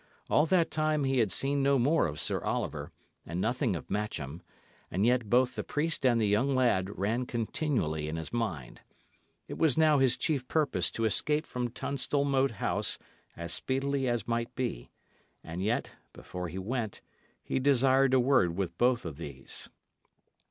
All that time he had seen no more of Sir Oliver, and nothing of Matcham; and yet both the priest and the young lad ran continually in his mind. It was now his chief purpose to escape from Tunstall Moat House as speedily as might be; and yet, before he went, he desired a word with both of these.